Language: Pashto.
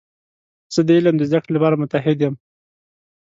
زه د علم د زده کړې لپاره متعهد یم.